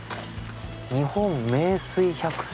日本名水百選？